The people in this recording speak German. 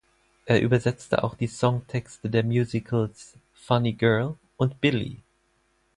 Er übersetzte auch die Songtexte der Musicals "Funny Girl" und "Billy.